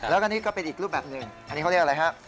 แล้วก็นี่ก็เป็นอีกรูปแบบหนึ่งอันนี้เขาเรียกอะไรฮะ